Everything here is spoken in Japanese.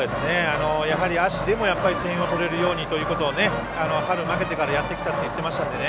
やはり足でも点を取れるようにということを春負けてからやってきたと言ってましたのでね。